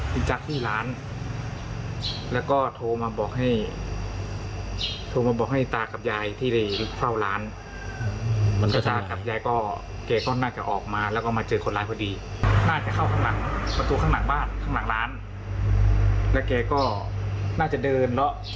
ประตูข้างหลังบ้านข้างหลังร้านและแกก็น่าจะเดินแล้ว